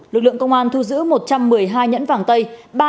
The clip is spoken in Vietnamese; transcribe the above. lực lượng công an thu giữ một trăm một mươi hai nhẫn vàng tây